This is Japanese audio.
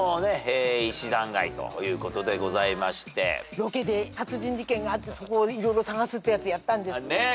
ロケで殺人事件があってそこを色々捜すってやつやったんです。